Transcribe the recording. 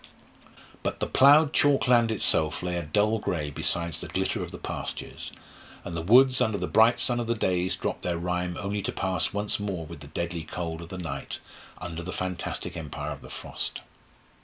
But the ploughed chalk land itself lay a dull grey beside the glitter of the pastures, and the woods under the bright sun of the days dropped their rime only to pass once more with the deadly cold of the night under the fantastic empire of the frost.